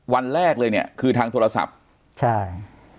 วันแรกเลยเนี่ยคือทางโทรศัพท์ใช่